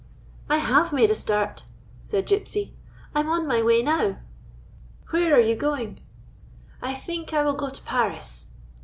" I have made a start," said Gypsy. " I 'm on my way now." " Where are you going ?"" I think I will go to Paris."